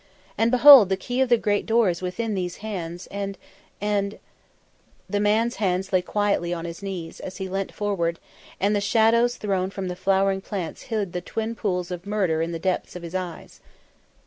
And behold, the key of the great door is within these hands, and and " The man's hands lay quietly on his knees as he leant forward, and the shadow thrown by the flowering plants hid the twin pools of murder in the depths of his eyes.